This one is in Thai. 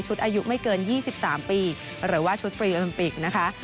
ชุดอายุไม่เกินยี่สิบสามปีหรือว่าชุดปรีอัมปิกนะคะ